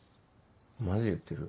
マジで言ってる？